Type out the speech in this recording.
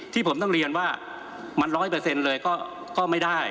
ที่ผมต้องเรียนว่ามัน๑๐๐เลยก็ไม่ได้